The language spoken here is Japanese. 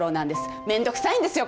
めんどくさいんですよ